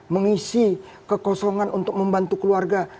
mengisi kekosongan untuk membantu keluarga